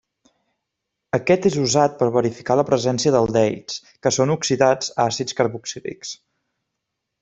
Aquest és usat per verificar la presència d'aldehids, que són oxidats a àcids carboxílics.